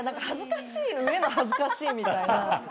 恥ずかしい上の恥ずかしいみたいな。